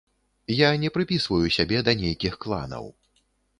Я не прыпісваю сябе да нейкіх кланаў.